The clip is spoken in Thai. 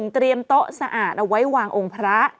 เตรียมโต๊ะสะอาดเอาไว้วางองค์พระ